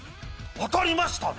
当たりましたね。